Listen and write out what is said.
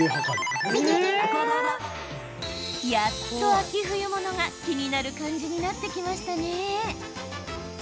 やっと秋冬ものが気になる感じになってきましたね。